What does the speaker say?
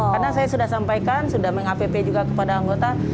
karena saya sudah sampaikan sudah meng app juga kepada anggota